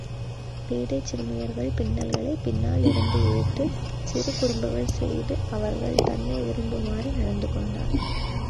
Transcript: பேதைச் சிறுமியர்கள் பின்னல்களைப் பின்னால் இருந்து இழுத்துச் சிறு குறும்புகள் செய்து அவர்கள் தன்னை விரும்புமாறு நடந்துகொண்டான்.